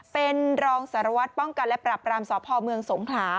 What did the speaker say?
เป็นรองสารวัตรป้องกันและปรับรามสพเมืองสงขลา